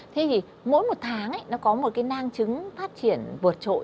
thế thì mỗi một tháng nó có một cái nang chứng phát triển vượt trội